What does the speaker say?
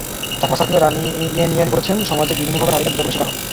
চাকমা সার্কেলের রানি য়েন য়েন বলেছেন, সমাজে বিভিন্নভাবে নারীরা নির্যাতনের শিকার হন।